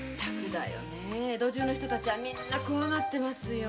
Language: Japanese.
江戸中の人たちはみんな怖がってますよ。